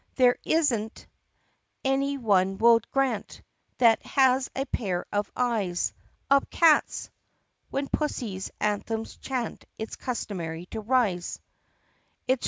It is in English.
There is n't, any one will grant. That has a pair of eyes. Up, cats! ( When pussies anthems chant It's customary to rise.)